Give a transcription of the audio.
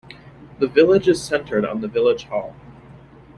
The village is centred on the village hall.